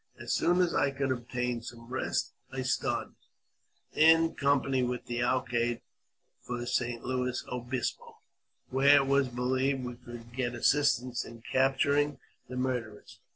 As soon as I could I obtain some rest, I started, in company with the alcalde, for] St. Louis Obispo, where, it was believed, we could get assis i tance in capturing the murderers.